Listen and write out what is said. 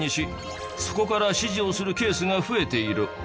そこから指示をするケースが増えている。